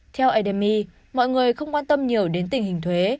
theo admmi mọi người không quan tâm nhiều đến tình hình thuế